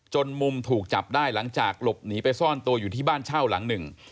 มุมถูกจับได้หลังจากหลบหนีไปซ่อนตัวอยู่ที่บ้านเช่าหลังหนึ่ง